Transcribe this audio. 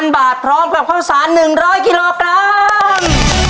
๑๕๐๐๐บาทพร้อมกับเข้าสารหนึ่งร้อยกิโลกรัม